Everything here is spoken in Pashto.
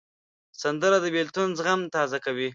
سندره د بېلتون زخم تازه کوي